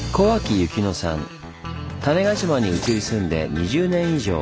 種子島に移り住んで２０年以上。